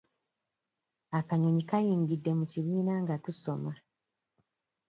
Akanyonyi kayingidde mu kibiina nga tusoma.